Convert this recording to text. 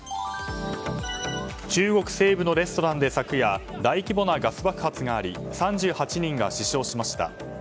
中国西部のレストランで昨夜、大規模なガス爆発あり３８人が死傷しました。